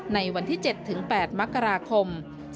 ในวันที่๗๘มกราคม๒๕๖